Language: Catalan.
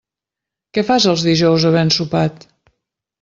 Què fas els dijous havent sopat?